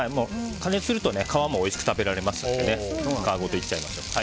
加熱すると皮もおいしく食べられますので皮ごといっちゃいましょう。